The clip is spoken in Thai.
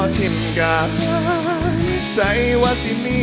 ขอบคุณมาก